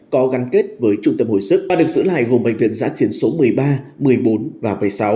có gắn kết với trung tâm hồi sức và được giữ lại gồm bệnh viện giã chiến số một mươi ba một mươi bốn và một mươi sáu